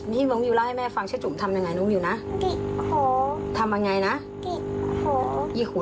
ที่วังรีวิวเล่าให้แม่ฟังเชื่อจุ๋มทำยังไงน้องรีวิวนะหยิกหูทำยังไงน่ะหยิกหู